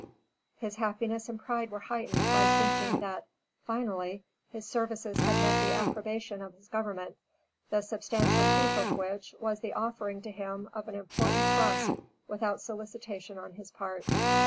His happiness and pride were heightened by thinking that, finally, his services had met the approbation of his government, the substantial proof of which, was the offering to him of an important trust without solicitation on his part.